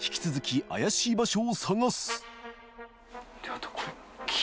あとこれ「消」